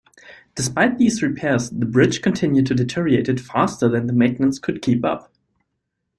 Despite these repairs, the bridge continued to deteriorate faster than maintenance could keep up.